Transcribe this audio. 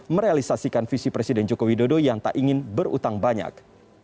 merealisasikan visi presiden joko widodo yang tak ingin berutang banyak